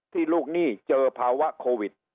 ลูกหนี้เจอภาวะโควิด